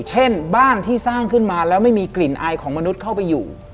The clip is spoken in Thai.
เช่นบ้านที่สร้างขึ้นมาแล้วไม่มีกลิ่นอายของมนุษย์เข้าไปอยู่